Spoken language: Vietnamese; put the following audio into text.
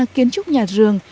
kiến trúc nhà rường